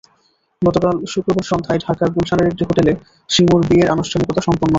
গতকাল শুক্রবার সন্ধ্যায় ঢাকার গুলশানের একটি হোটেলে শিমুর বিয়ের আনুষ্ঠানিকতা সম্পন্ন হয়।